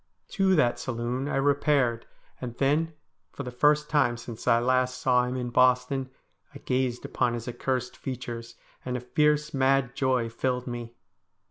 To that saloon I re paired, and then, for the first time since I last saw him in Boston, I gazed upon his accursed features, and a fierce, mad joy filled me.